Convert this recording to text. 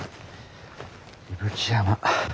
伊吹山。